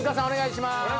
お願いします。